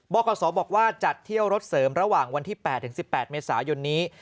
คศบอกว่าจัดเที่ยวรถเสริมระหว่างวันที่๘๑๘เมษายนนี้